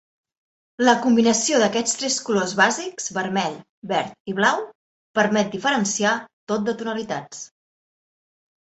La combinació d'aquests tres colors bàsics: vermell, verd i blau, permet diferenciar tot de tonalitats.